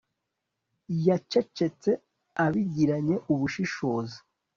Yacecetse abigiranye ubushishozi